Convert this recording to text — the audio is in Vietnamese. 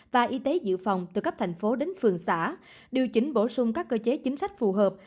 và y tế dự phòng từ cấp thành phố đến phường xã điều chỉnh bổ sung các cơ chế chính sách phù hợp